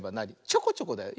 ちょこちょこだよ。